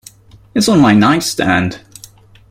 It's on my nightstand.